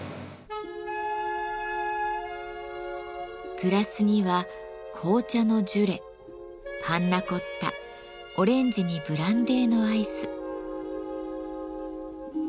グラスには紅茶のジュレパンナコッタオレンジにブランデーのアイス。